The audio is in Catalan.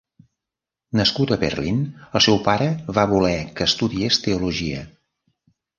Nascut a Berlín, el seu pare va voler que estudiés teologia.